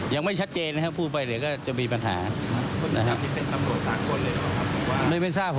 ยังไม่ชัดเจนนะครับพูดไปเดี๋ยวก็จะมีปัญหานะครับ